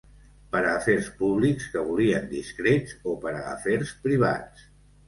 Per a afers públics que volien discrets o per a afers privats.